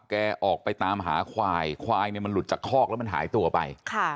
แกออกไปตามหาควายควายเนี่ยมันหลุดจากคอกแล้วมันหายตัวไป